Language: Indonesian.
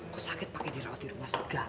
kok sakit pakai dirawat di rumah segar